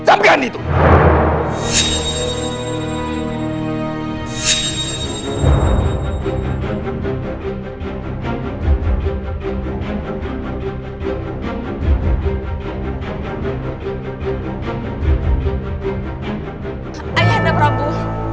ayah anda prabu